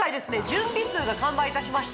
準備数が完売いたしました